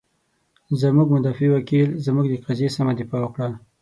زمونږ مدافع وکیل، زمونږ د قضیې سمه دفاع وکړه.